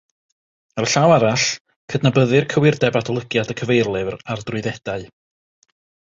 Ar y llaw arall, cydnabyddir cywirdeb adolygiad y cyfeirlyfr ar drwyddedau.